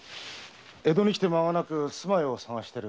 江戸に来て間がなく住まいを探してる。